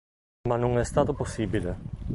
Ma non è stato possibile.